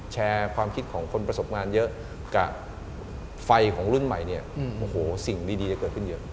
แชร์ความคิดของคนประสบงานเยอะกับไฟของรุ่นใหม่เนี่ยโอ้โหสิ่งดีจะเกิดขึ้นเยอะ